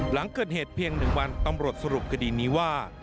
หลังเกิดเหตุเพียง๑วันตำรวจสรุปคดีนี้ว่า